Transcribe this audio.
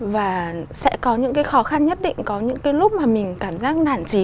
và sẽ có những cái khó khăn nhất định có những cái lúc mà mình cảm giác nản trí